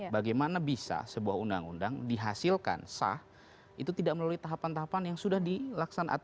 bagaimana bisa sebuah undang undang dihasilkan sah itu tidak melalui tahapan tahapan yang sudah dilaksanakan